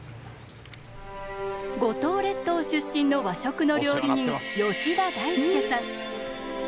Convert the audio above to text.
五島列島出身の和食の料理人吉田大輔さん。